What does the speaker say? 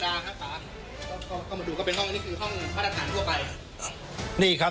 ครับค่ะเข้ามาดูก็เป็นห้องนี่คือห้องพัฒนฐานทั่วไปนี่ครับ